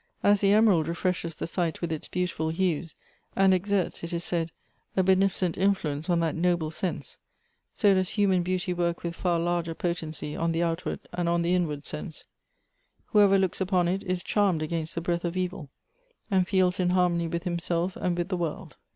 As the emerald refreshes the sight with its beautifiil hues, and exerts it is said, a benificent Elective Affinities. 53 influence on that noble sense, so does human beauty work with far larger potency on the outward and on the inward sense; whoever looks upon it is charmed against tlie breath of evil, and feels in harmony with himself and with the world.